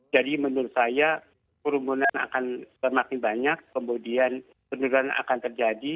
jadi menurut saya kerumunan akan semakin banyak kemudian kerumunan akan terjadi